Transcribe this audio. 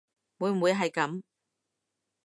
會唔會係噉